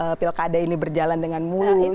tadi kalau pilkada ini berjalan dengan mulus